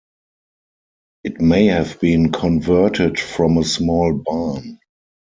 It may have been converted from a small barn.